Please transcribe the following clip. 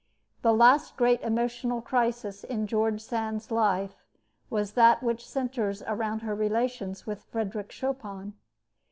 The last great emotional crisis in George Sand's life was that which centers around her relations with Frederic Chopin.